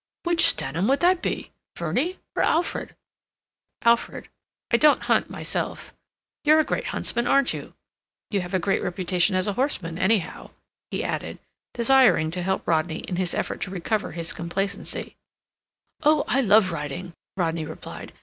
"Which Stanham would that be? Verney or Alfred?" "Alfred.... I don't hunt myself. You're a great huntsman, aren't you? You have a great reputation as a horseman, anyhow," he added, desiring to help Rodney in his effort to recover his complacency. "Oh, I love riding," Rodney replied.